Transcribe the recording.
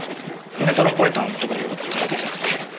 メトロポリタンとかいう探偵社だって。